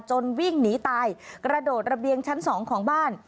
วิ่งหนีตายกระโดดระเบียงชั้นสองของบ้าน